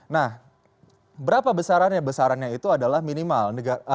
nah berapa besarannya besarannya itu adalah minimal